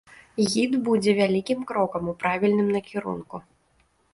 Гід будзе вялікім крокам у правільным накірунку.